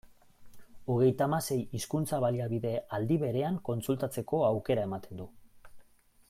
Hogeita hamasei hizkuntza-baliabide aldi berean kontsultatzeko aukera ematen du.